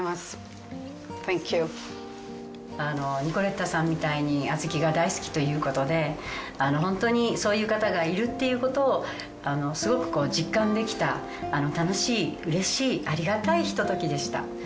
ニコレッタさんみたいに小豆が大好きということで本当にそういう方がいるっていうことをすごく実感できた楽しい嬉しいありがたいひとときでした。